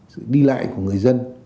sự đi lại của người dân